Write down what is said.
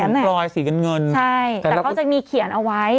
รอยสีเงินเงินใช่แต่เขาจะมีเขียนเอาไว้